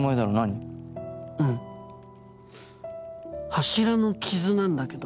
柱のキズなんだけど。